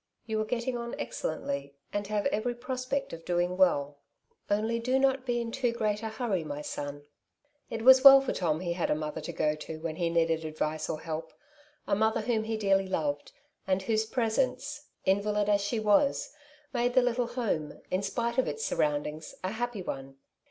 You are getting on excellently, and have every prospect of doing well, only do not be in too great a hurry, my son." It was well for Tom he had a mother to go to when he needed advice or help — a mother whom he dearly loved, and whose presence, invalid as she Castles in the Air, 37 was, made the little home, in spite of Its surround ings, a happy one.